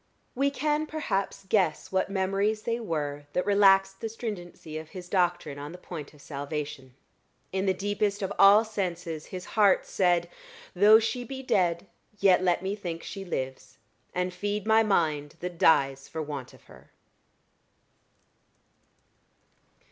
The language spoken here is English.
We can perhaps guess what memories they were that relaxed the stringency of his doctrine on the point of salvation. In the deepest of all senses his heart said "Though she be dead, yet let me think she lives, And feed my mind, that dies for want of her."